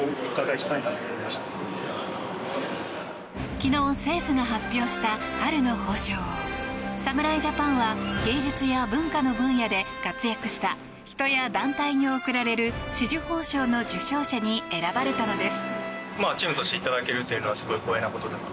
昨日、政府が発表した春の褒章。侍ジャパンは芸術や文化の分野で活躍した人や団体に贈られる紫綬褒章の受章者に選ばれたのです。